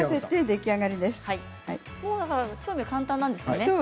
調理が簡単なんですね。